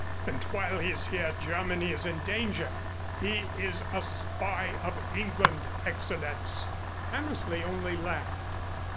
"And while he is here Germany is in danger. He is a spy of England, Excellenz." Hammersley only laughed.